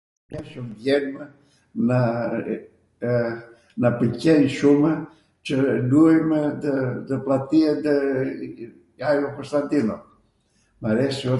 mw pwlqen shumw qw luajmw ndw pllati nw Ajio Kostandino.